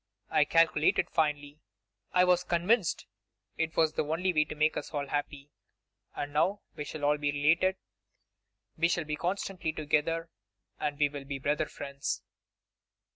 I calculated finely; I was convinced it was the only way to make us all happy. And now we shall all be related; we shall be constantly together; and we will be brother friends.